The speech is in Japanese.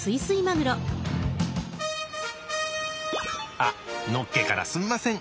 あっのっけからすんません。